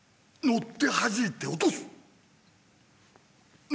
乗ってはじいて出す！